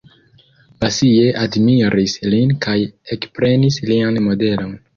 Basie admiris lin kaj ekprenis lian modelon.